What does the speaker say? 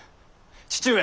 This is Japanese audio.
父上。